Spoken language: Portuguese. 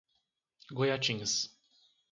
Goiatins